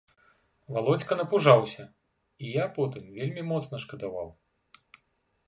Валодзька напужаўся, і я потым вельмі моцна шкадаваў.